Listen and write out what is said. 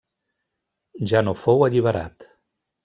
Ja no fou alliberat.